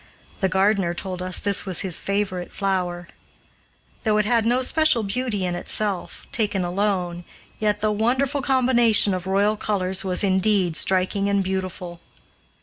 The gardener told us this was his favorite flower. Though it had no special beauty in itself, taken alone, yet the wonderful combination of royal colors was indeed striking and beautiful.